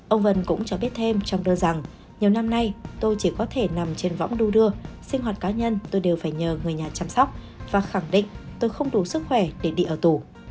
ông vân cũng cho biết thêm trong đưa rằng nhiều năm nay tôi chỉ có thể nằm trên võng đua đưa sinh hoạt cá nhân tôi đều phải nhờ người nhà chăm sóc và khẳng định tôi không đủ sức khỏe để đi ở tù